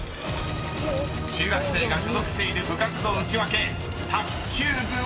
［中学生が所属している部活のウチワケ卓球部は⁉］